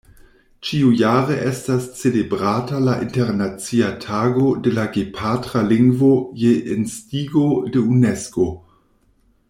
Ĉiujare estas celebrata la Internacia Tago de la Gepatra Lingvo je instigo de Unesko.